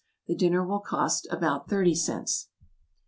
The dinner will cost about thirty cents.